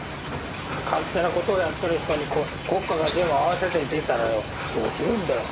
勝手なことをやってる人に国家が全部合わせていたらよどうするんだよ。